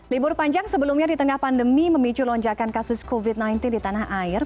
libur panjang sebelumnya di tengah pandemi memicu lonjakan kasus covid sembilan belas di tanah air